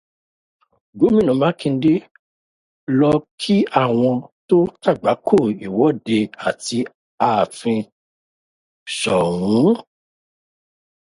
Gómìnà Mákindé lọ kí àwọn tó kàgbákò ìwọ́de àti ààfin Ṣòún.